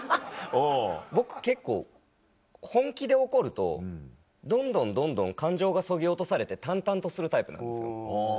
僕結構本気で怒るとどんどんどんどん感情がそぎ落とされて淡々とするタイプなんですよ。